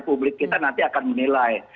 publik kita nanti akan menilai